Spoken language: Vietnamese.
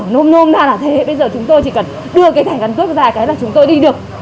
nôm nôm ra là thế hệ bây giờ chúng tôi chỉ cần đưa cái thẻ căn cước ra cái là chúng tôi đi được